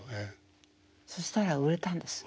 そしたら売れたんです。